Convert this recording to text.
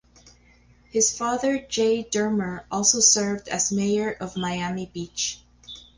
His father Jay Dermer also served as mayor of Miami Beach.